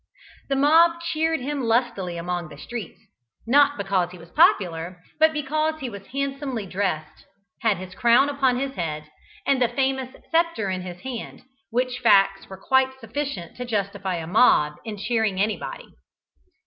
The mob cheered him lustily along the streets, not because he was popular, but because he was handsomely dressed, had his crown upon his head and the famous sceptre in his hand, which facts were quite sufficient to justify a mob in cheering anybody.